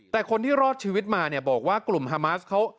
แต่คนที่รอดชีวิตมาเนี่ยบอกว่ากลุ่มฮามาสเขา